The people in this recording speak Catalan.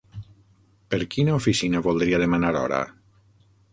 Per quina oficina voldria demanar hora?